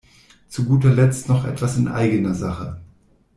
Zu guter Letzt noch etwas in eigener Sache.